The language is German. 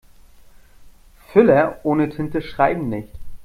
Füller ohne Tinte schreiben nicht.